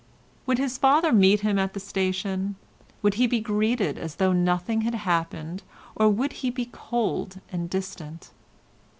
Would his father meet him at the station? Would he greet him as though nothing had happened, or would he be cold and distant?